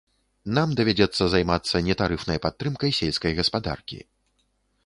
Нам давядзецца займацца нетарыфнай падтрымкай сельскай гаспадаркі.